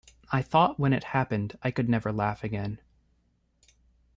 I thought when it happened I could never laugh again.